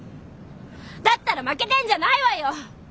だったら負けてんじゃないわよ！